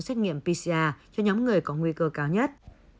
xét nghiệm pcr cho nhóm người có nguy cơ cao nhất